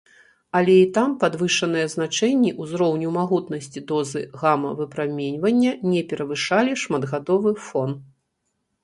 Але і там падвышаныя значэнні ўзроўню магутнасці дозы гама-выпраменьвання не перавышалі шматгадовы фон.